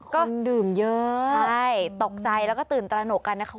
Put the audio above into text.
ก็ดื่มเยอะใช่ตกใจแล้วก็ตื่นตระหนกกันนะคะ